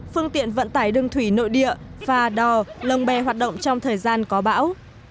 phương tiện vận tải đường thủy nội địa và đò lồng bè hoạt động trong thời gian có bão